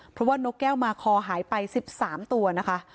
เพราะว่านกแก้วมาคอหายไป๑๓ตัวนะคะ